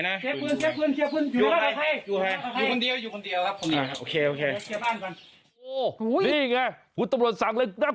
เชียร์พื้นเชียร์พื้นอยู่เหลือใคร